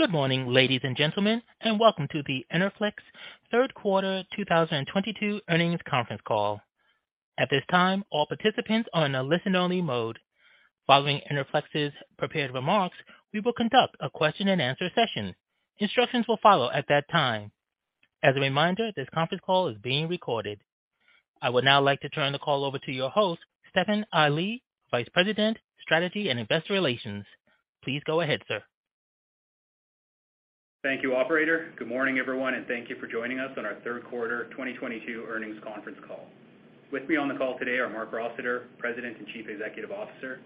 Good morning, ladies and gentlemen, and welcome to the Enerflex third quarter 2022 earnings conference call. At this time, all participants are in a listen-only mode. Following Enerflex's prepared remarks, we will conduct a question-and-answer session. Instructions will follow at that time. As a reminder, this conference call is being recorded. I would now like to turn the call over to your host, Stefan Ali, Vice President, Strategy and Investor Relations. Please go ahead, sir. Thank you, operator. Good morning, everyone, and thank you for joining us on our third quarter 2022 earnings conference call. With me on the call today are Marc Rossiter, President and Chief Executive Officer,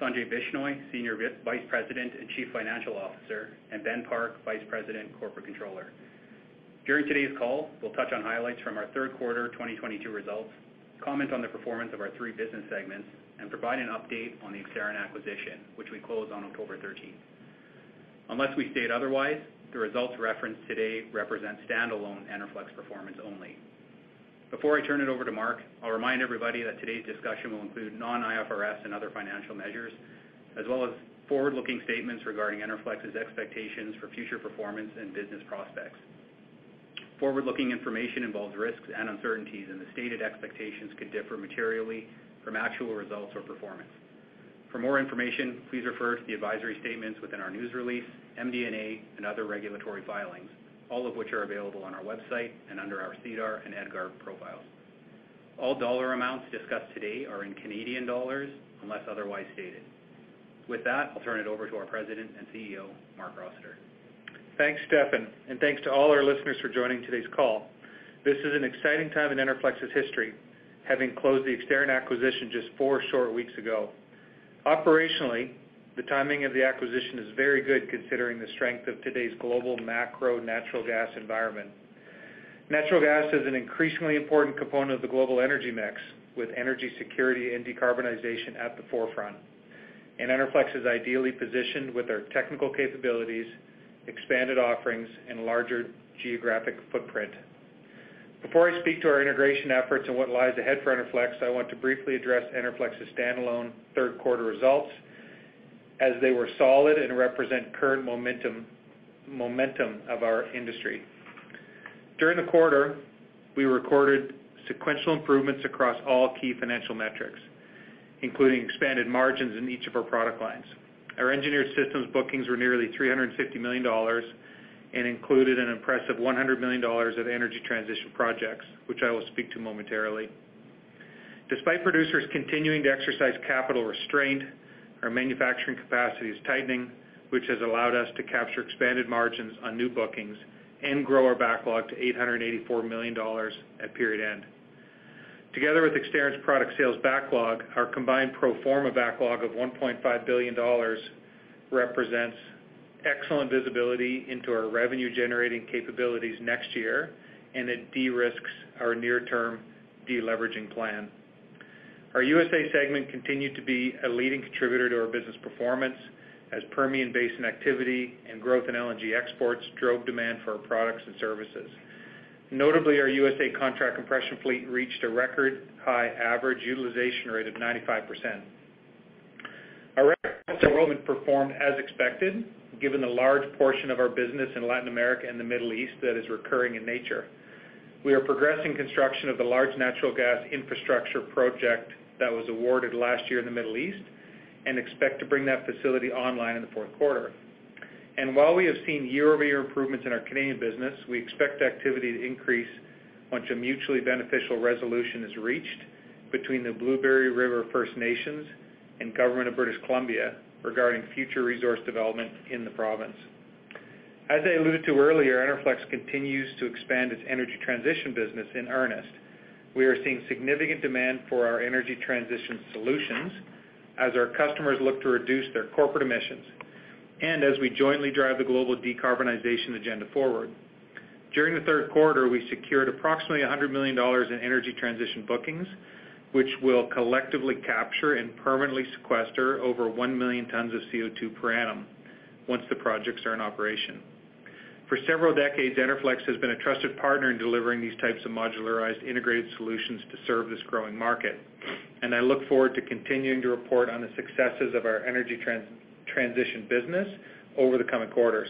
Sanjay Bishnoi, Senior Vice President and Chief Financial Officer, and Benjamin Park, Vice President & Corporate Controller. During today's call, we'll touch on highlights from our third quarter 2022 results, comment on the performance of our three business segments, and provide an update on the Exterran acquisition, which we closed on October 13th. Unless we state otherwise, the results referenced today represent stand-alone Enerflex performance only. Before I turn it over to Marc, I'll remind everybody that today's discussion will include non-IFRS and other financial measures, as well as forward-looking statements regarding Enerflex's expectations for future performance and business prospects. Forward-looking information involves risks and uncertainties, and the stated expectations could differ materially from actual results or performance. For more information, please refer to the advisory statements within our news release, MD&A, and other regulatory filings, all of which are available on our website and under our SEDAR and EDGAR profiles. All dollar amounts discussed today are in Canadian dollars unless otherwise stated. With that, I'll turn it over to our President and CEO, Marc Rossiter. Thanks, Stefan, and thanks to all our listeners for joining today's call. This is an exciting time in Enerflex's history, having closed the Exterran acquisition just four short weeks ago. Operationally, the timing of the acquisition is very good considering the strength of today's global macro natural gas environment. Natural gas is an increasingly important component of the global energy mix, with energy security and decarbonization at the forefront. Enerflex is ideally positioned with our technical capabilities, expanded offerings, and larger geographic footprint. Before I speak to our integration efforts and what lies ahead for Enerflex, I want to briefly address Enerflex's stand-alone third quarter results as they were solid and represent current momentum of our industry. During the quarter, we recorded sequential improvements across all key financial metrics, including expanded margins in each of our product lines. Our Engineered Systems bookings were nearly 350 million dollars and included an impressive 100 million dollars of energy transition projects, which I will speak to momentarily. Despite producers continuing to exercise capital restraint, our manufacturing capacity is tightening, which has allowed us to capture expanded margins on new bookings and grow our backlog to 884 million dollars at period end. Together with Exterran's product sales backlog, our combined pro forma backlog of 1.5 billion dollars represents excellent visibility into our revenue-generating capabilities next year and it de-risks our near-term de-leveraging plan. Our U.S. segment continued to be a leading contributor to our business performance as Permian Basin activity and growth in LNG exports drove demand for our products and services. Notably, our U.S. Contract Compression fleet reached a record-high average utilization rate of 95%. We performed as expected, given the large portion of our business in Latin America and the Middle East that is recurring in nature. We are progressing construction of the large natural gas infrastructure project that was awarded last year in the Middle East and expect to bring that facility online in the fourth quarter. While we have seen year-over-year improvements in our Canadian business, we expect activity to increase once a mutually beneficial resolution is reached between the Blueberry River First Nations and government of British Columbia regarding future resource development in the province. As I alluded to earlier, Enerflex continues to expand its energy transition business in earnest. We are seeing significant demand for our energy transition solutions as our customers look to reduce their corporate emissions and as we jointly drive the global decarbonization agenda forward. During the third quarter, we secured approximately 100 million dollars in energy transition bookings, which we'll collectively capture and permanently sequester over 1 million tons of CO2 per annum once the projects are in operation. For several decades, Enerflex has been a trusted partner in delivering these types of modularized integrated solutions to serve this growing market, and I look forward to continuing to report on the successes of our energy transition business over the coming quarters.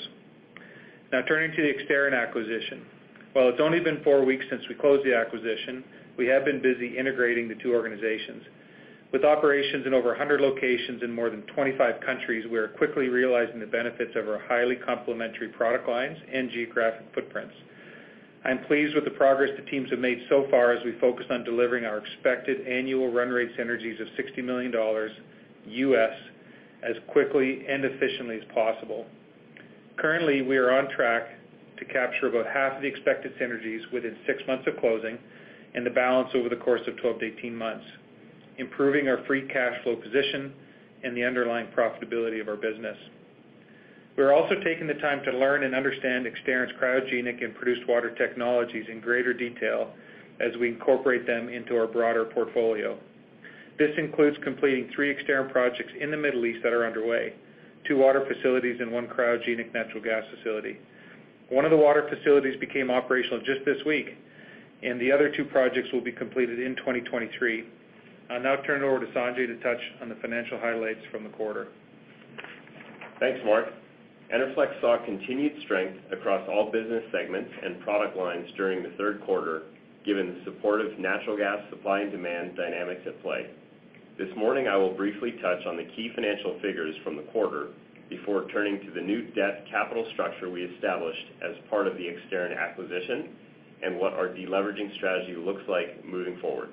Now turning to the Exterran acquisition. While it's only been four weeks since we closed the acquisition, we have been busy integrating the two organizations. With operations in over 100 locations in more than 25 countries, we are quickly realizing the benefits of our highly complementary product lines and geographic footprints. I'm pleased with the progress the teams have made so far as we focus on delivering our expected annual run rate synergies of $60 million as quickly and efficiently as possible. Currently, we are on track to capture about half of the expected synergies within six months of closing and the balance over the course of 12-18 months, improving our free cash flow position and the underlying profitability of our business. We are also taking the time to learn and understand Exterran's cryogenic and produced water technologies in greater detail as we incorporate them into our broader portfolio. This includes completing three Exterran projects in the Middle East that are underway, two water facilities and one cryogenic natural gas facility. One of the water facilities became operational just this week, and the other two projects will be completed in 2023. I'll now turn it over to Sanjay to touch on the financial highlights from the quarter. Thanks, Marc. Enerflex saw continued strength across all business segments and product lines during the third quarter, given the supportive natural gas supply and demand dynamics at play. This morning, I will briefly touch on the key financial figures from the quarter before turning to the new debt capital structure we established as part of the Exterran acquisition and what our deleveraging strategy looks like moving forward.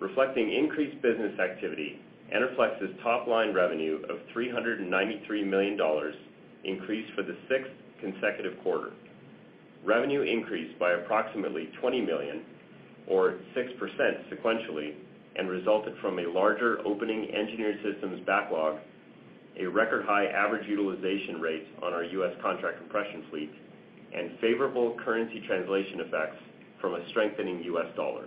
Reflecting increased business activity, Enerflex's top-line revenue of 393 million dollars increased for the sixth consecutive quarter. Revenue increased by approximately 20 million or 6% sequentially and resulted from a larger opening Engineered Systems backlog, a record high average utilization rate on our U.S. Contract Compression fleet, and favorable currency translation effects from a strengthening U.S. dollar.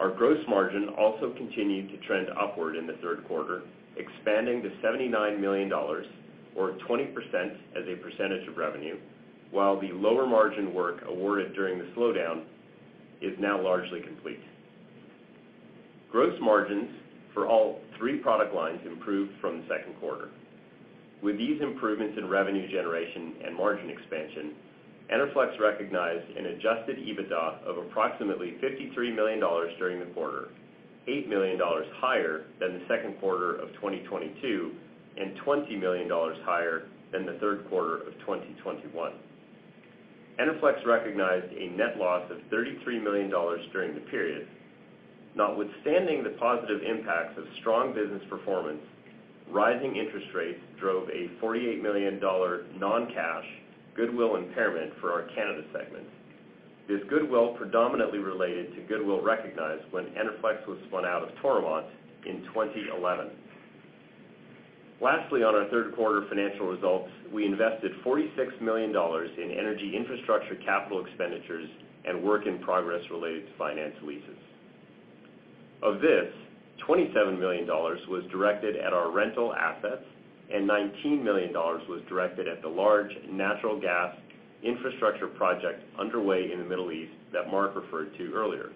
Our gross margin also continued to trend upward in the third quarter, expanding to 79 million dollars or 20% as a percentage of revenue, while the lower margin work awarded during the slowdown is now largely complete. Gross margins for all three product lines improved from the second quarter. With these improvements in revenue generation and margin expansion, Enerflex recognized an Adjusted EBITDA of approximately 53 million dollars during the quarter, 8 million dollars higher than the second quarter of 2022 and 20 million dollars higher than the third quarter of 2021. Enerflex recognized a net loss of 33 million dollars during the period. Notwithstanding the positive impacts of strong business performance, rising interest rates drove a 48 million-dollar non-cash goodwill impairment for our Canada segment. This goodwill predominantly related to goodwill recognized when Enerflex was spun out of Toromont in 2011. Lastly, on our third quarter financial results, we invested 46 million dollars in Energy Infrastructure capital expenditures and work in progress related to finance leases. Of this, 27 million dollars was directed at our rental assets and 19 million dollars was directed at the large natural gas infrastructure project underway in the Middle East that Marc referred to earlier.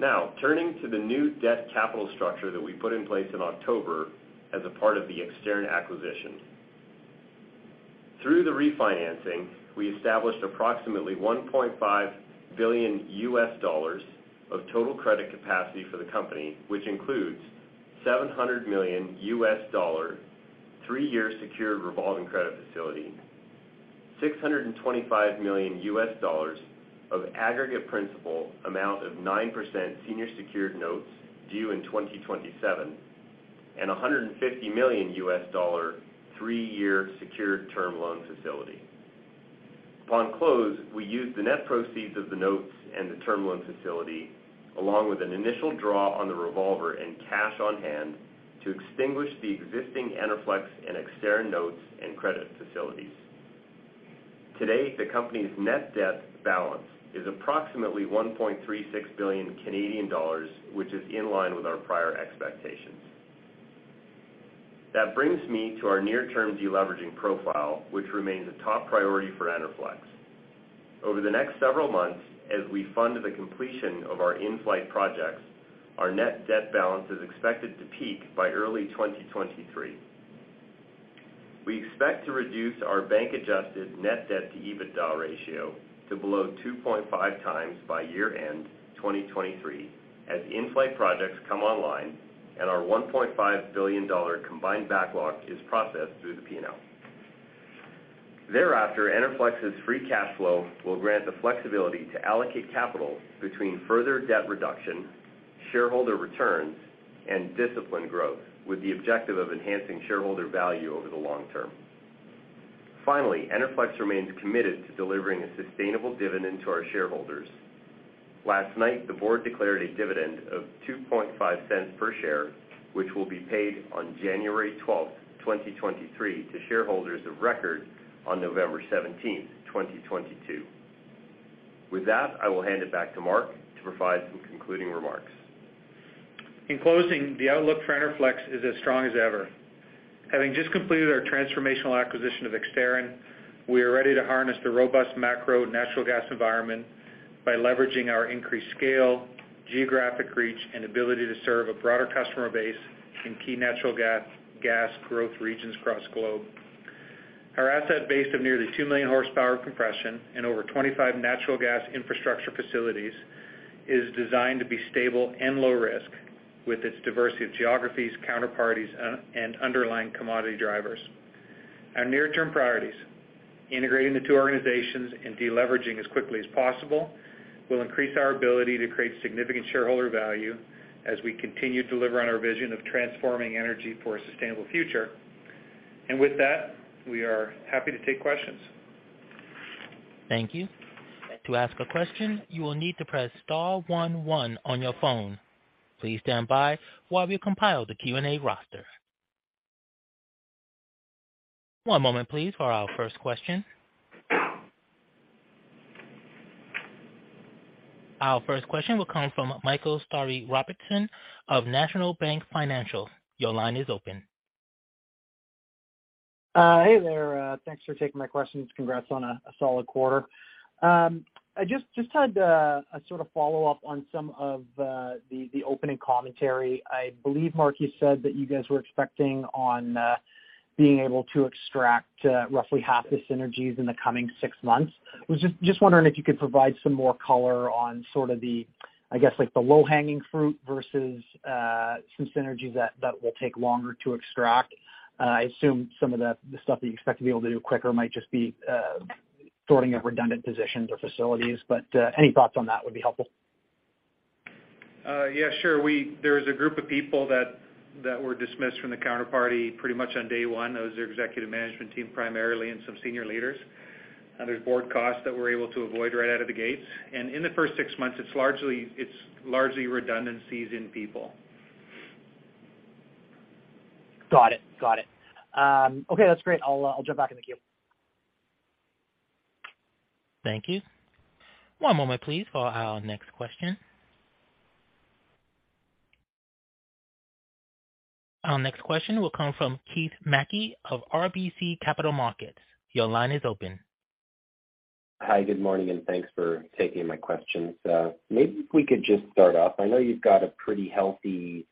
Now, turning to the new debt capital structure that we put in place in October as a part of the Exterran acquisition. Through the refinancing, we established approximately $1.5 billion of total credit capacity for the company, which includes $700 million three-year secured revolving credit facility, $625 million of aggregate principal amount of 9% senior secured notes due in 2027, and $150 million three-year secured term loan facility. Upon close, we used the net proceeds of the notes and the term loan facility along with an initial draw on the revolver and cash on hand to extinguish the existing Enerflex and Exterran notes and credit facilities. Today, the company's net debt balance is approximately 1.36 billion Canadian dollars, which is in line with our prior expectations. That brings me to our near-term deleveraging profile, which remains a top priority for Enerflex. Over the next several months, as we fund the completion of our in-flight projects, our net debt balance is expected to peak by early 2023. We expect to reduce our bank-adjusted net debt to EBITDA ratio to below 2.5x by year-end 2023, as in-flight projects come online and our 1.5 billion dollar combined backlog is processed through the P&L. Thereafter, Enerflex's free cash flow will grant the flexibility to allocate capital between further debt reduction, shareholder returns, and disciplined growth with the objective of enhancing shareholder value over the long term. Finally, Enerflex remains committed to delivering a sustainable dividend to our shareholders. Last night, the board declared a dividend of 0.025 per share, which will be paid on January 12th, 2023 to shareholders of record on November 17th, 2022. With that, I will hand it back to Marc to provide some concluding remarks. In closing, the outlook for Enerflex is as strong as ever. Having just completed our transformational acquisition of Exterran, we are ready to harness the robust macro natural gas environment by leveraging our increased scale, geographic reach, and ability to serve a broader customer base in key natural gas growth regions across the globe. Our asset base of nearly 2 million horsepower compression and over 25 natural gas infrastructure facilities is designed to be stable and low risk with its diversity of geographies, counterparties, and underlying commodity drivers. Our near-term priorities, integrating the two organizations and deleveraging as quickly as possible, will increase our ability to create significant shareholder value as we continue to deliver on our vision of transforming energy for a sustainable future. With that, we are happy to take questions. Thank you. To ask a question, you will need to press star one one on your phone. Please stand by while we compile the Q&A roster. One moment please for our first question. Our first question will come from Michael Robertson of National Bank Financial. Your line is open. Hey there. Thanks for taking my questions. Congrats on a solid quarter. I just had a sort of follow-up on some of the opening commentary. I believe, Marc, you said that you guys were expecting on being able to extract roughly half the synergies in the coming six months. I was just wondering if you could provide some more color on sort of the, I guess like the low-hanging fruit versus some synergies that will take longer to extract. I assume some of the stuff that you expect to be able to do quicker might just be sorting of redundant positions or facilities. Any thoughts on that would be helpful. Yeah, sure. There is a group of people that were dismissed from the counterparty pretty much on day one. That was their executive management team primarily and some senior leaders. There's board costs that we're able to avoid right out of the gates. In the first six months, it's largely redundancies in people. Got it. Okay, that's great. I'll jump back in the queue. Thank you. One moment please for our next question. Our next question will come from Keith Mackey of RBC Capital Markets. Your line is open. Hi, good morning, and thanks for taking my questions. Maybe if we could just start off, I know you've got a pretty healthy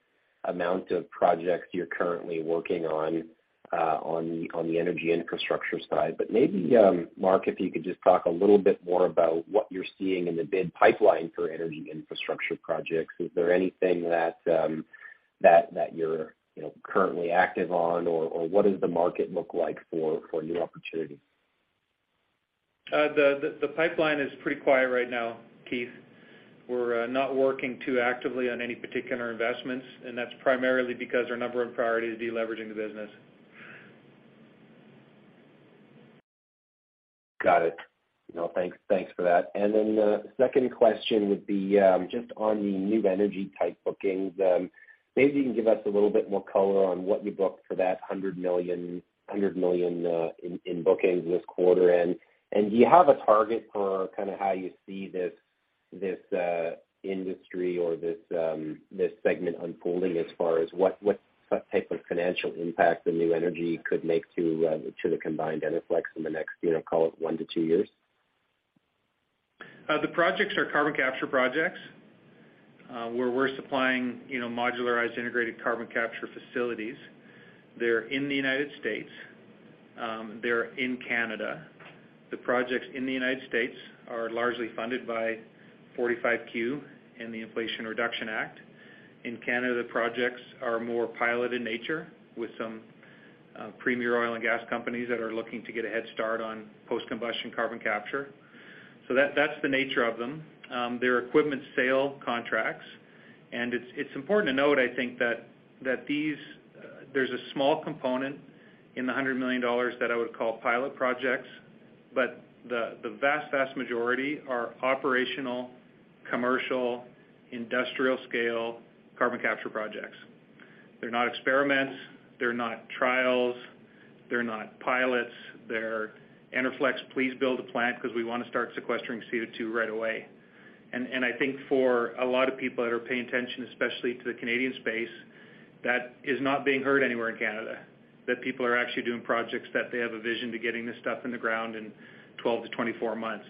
amount of projects you're currently working on the Energy Infrastructure side. Maybe, Marc, if you could just talk a little bit more about what you're seeing in the bid pipeline for Energy Infrastructure projects. Is there anything that you're, you know, currently active on or what does the market look like for new opportunities? The pipeline is pretty quiet right now, Keith. We're not working too actively on any particular investments, and that's primarily because our number one priority is de-leveraging the business. Got it. No, thanks. Thanks for that. The second question would be, just on the new energy type bookings, maybe you can give us a little bit more color on what you booked for that 100 million in bookings this quarter. Do you have a target for kind of how you see this industry or this segment unfolding as far as what type of financial impact the new energy could make to the combined Enerflex in the next, you know, call it one to two years? The projects are carbon capture projects, where we're supplying, you know, modularized integrated carbon capture facilities. They're in the United States. They're in Canada. The projects in the United States are largely funded by 45Q and the Inflation Reduction Act. In Canada, projects are more pilot in nature with some premier oil and gas companies that are looking to get a head start on post-combustion carbon capture. That's the nature of them. They're equipment sale contracts. It's important to note, I think that these, there's a small component in the 100 million dollars that I would call pilot projects, but the vast majority are operational, commercial, industrial scale carbon capture projects. They're not experiments, they're not trials, they're not pilots. They're Enerflex, please build a plant because we want to start sequestering CO2 right away. I think for a lot of people that are paying attention, especially to the Canadian space, that is not being heard anywhere in Canada, that people are actually doing projects that they have a vision to getting this stuff in the ground in 12-24 months.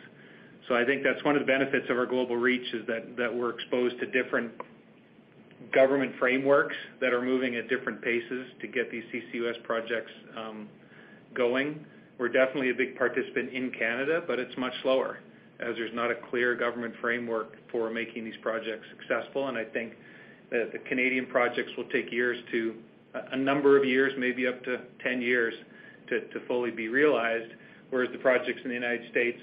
I think that's one of the benefits of our global reach, is that we're exposed to different government frameworks that are moving at different paces to get these CCUS projects going. We're definitely a big participant in Canada, but it's much slower as there's not a clear government framework for making these projects successful. I think that the Canadian projects will take years, a number of years, maybe up to 10 years to fully be realized, whereas the projects in the United States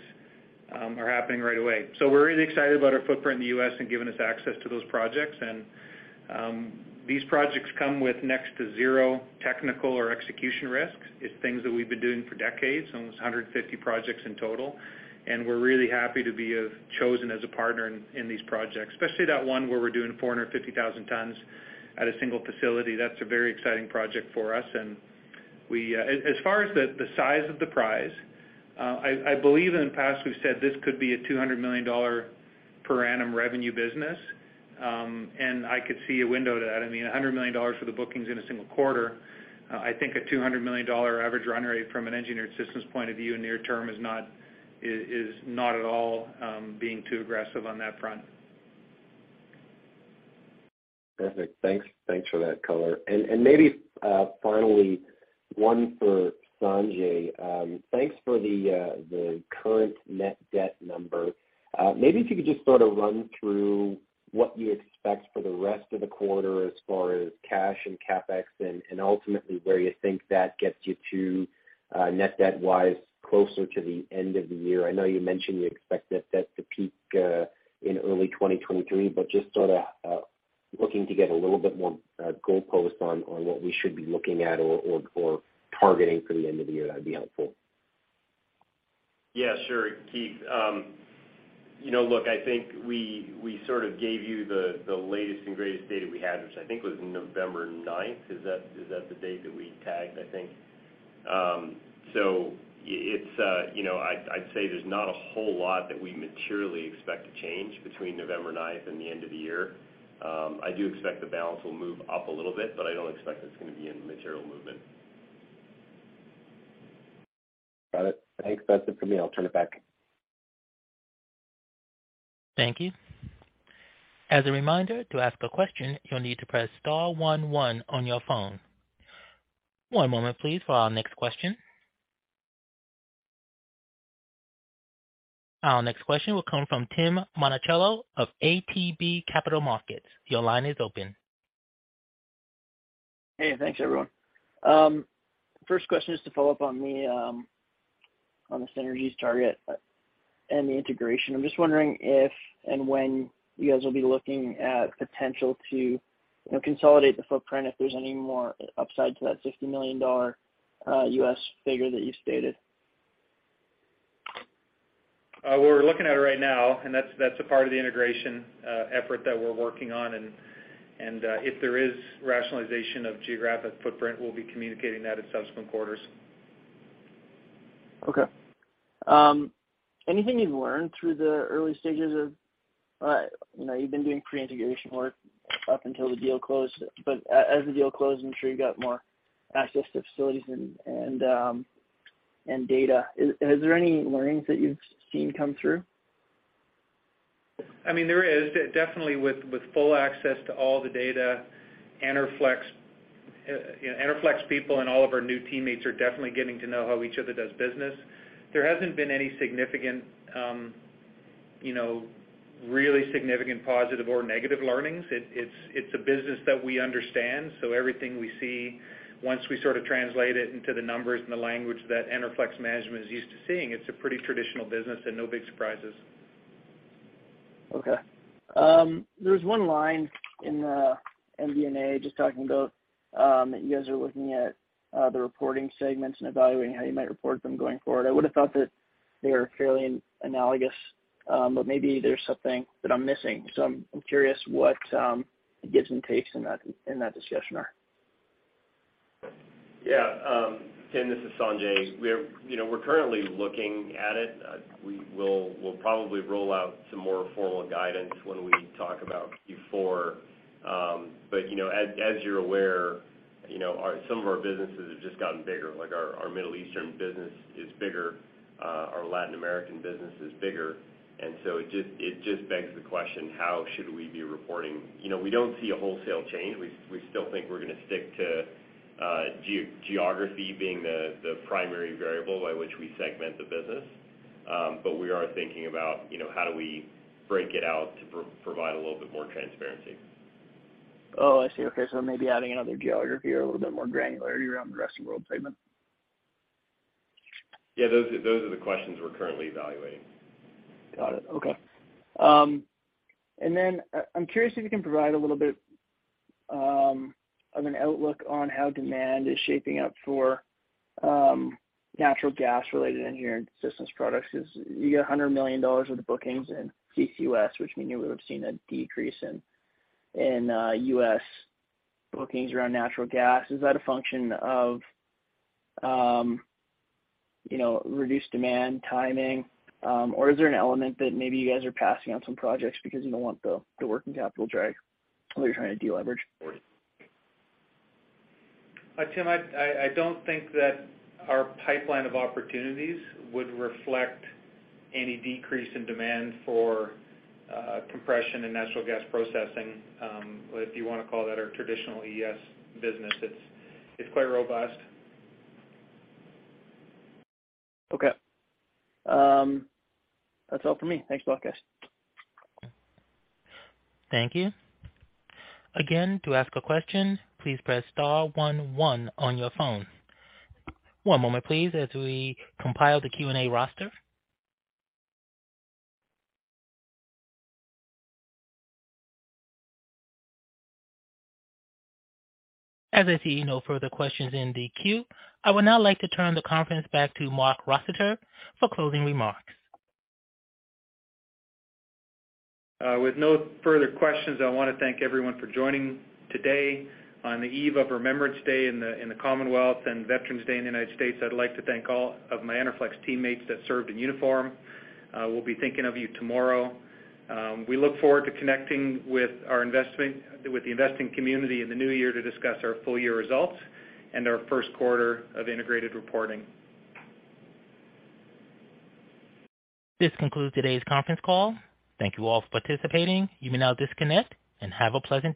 are happening right away. We're really excited about our footprint in the U.S. and giving us access to those projects. These projects come with next to zero technical or execution risks. It's things that we've been doing for decades, almost 150 projects in total. We're really happy to be chosen as a partner in these projects, especially that one where we're doing 450,000 tons at a single facility. That's a very exciting project for us. As far as the size of the prize, I believe in the past we've said this could be a 200 million dollar per annum revenue business. I could see a window to that. I mean, 100 million dollars for the bookings in a single quarter. I think a 200 million dollar average run rate from an Engineered Systems point of view near term is not at all being too aggressive on that front. Perfect. Thanks for that color. Maybe finally, one for Sanjay. Thanks for the current net debt number. Maybe if you could just sort of run through what you expect for the rest of the quarter as far as cash and CapEx and ultimately where you think that gets you to, net debt-wise closer to the end of the year. I know you mentioned you expect net debt to peak in early 2023, but just sort of looking to get a little bit more goalposts on what we should be looking at or targeting for the end of the year, that'd be helpful. Yeah, sure, Keith. You know, look, I think we sort of gave you the latest and greatest data we had, which I think was November 9th. Is that the date that we tagged, I think? It's, you know, I'd say there's not a whole lot that we materially expect to change between November 9th and the end of the year. I do expect the balance will move up a little bit, but I don't expect it's gonna be any material movement. Got it. Thanks. That's it for me. I'll turn it back. Thank you. As a reminder, to ask a question, you'll need to press star one one on your phone. One moment please for our next question. Our next question will come from Tim Monachello of ATB Capital Markets. Your line is open. Hey, thanks everyone. First question is to follow up on the synergies target and the integration. I'm just wondering if and when you guys will be looking at potential to, you know, consolidate the footprint, if there's any more upside to that $50 million U.S. figure that you stated. We're looking at it right now, and that's a part of the integration effort that we're working on. If there is rationalization of geographic footprint, we'll be communicating that in subsequent quarters. Okay. Anything you've learned through the early stages of, you know, you've been doing pre-integration work up until the deal closed, but as the deal closed, I'm sure you got more access to facilities and data. Is there any learnings that you've seen come through? I mean, there is. Definitely with full access to all the data, Enerflex, you know, Enerflex people and all of our new teammates are definitely getting to know how each other does business. There hasn't been any significant, you know, really significant positive or negative learnings. It's a business that we understand, so everything we see, once we sort of translate it into the numbers and the language that Enerflex management is used to seeing, it's a pretty traditional business and no big surprises. Okay. There's one line in the MD&A just talking about that you guys are looking at the reporting segments and evaluating how you might report them going forward. I would have thought that they are fairly analogous, but maybe there's something that I'm missing, so I'm curious what the gives and takes in that discussion are. Yeah. Tim, this is Sanjay. You know, we're currently looking at it. We'll probably roll out some more formal guidance when we talk about Q4. But you know, as you're aware, you know, some of our businesses have just gotten bigger. Like our Middle Eastern business is bigger. Our Latin American business is bigger. It just begs the question, how should we be reporting? You know, we don't see a wholesale change. We still think we're gonna stick to geography being the primary variable by which we segment the business. But we are thinking about, you know, how do we break it out to provide a little bit more transparency. Oh, I see. Okay. Maybe adding another geography or a little bit more granularity around the Rest of World segment. Yeah, those are the questions we're currently evaluating. Got it. Okay. I'm curious if you can provide a little bit of an outlook on how demand is shaping up for natural gas related Engineered Systems products. 'Cause you get $100 million worth of bookings in CCUS, which means we would've seen a decrease in U.S. bookings around natural gas. Is that a function of you know, reduced demand timing? Or is there an element that maybe you guys are passing on some projects because you don't want the working capital drag or you're trying to de-leverage? Tim, I don't think that our pipeline of opportunities would reflect any decrease in demand for compression and natural gas processing. If you wanna call that our traditional ES business, it's quite robust. Okay. That's all for me. Thanks a lot, guys. Thank you. Again, to ask a question, please press star one one on your phone. One moment please, as we compile the Q&A roster. As I see no further questions in the queue, I would now like to turn the conference back to Marc Rossiter for closing remarks. With no further questions, I wanna thank everyone for joining today on the eve of Remembrance Day in the Commonwealth and Veterans Day in the United States. I'd like to thank all of my Enerflex teammates that served in uniform. We'll be thinking of you tomorrow. We look forward to connecting with the investing community in the new year to discuss our full year results and our first quarter of integrated reporting. This concludes today's conference call. Thank you all for participating. You may now disconnect and have a pleasant day.